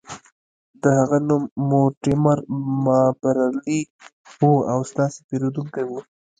د هغه نوم مورټیمر مابرلي و او ستاسو پیرودونکی و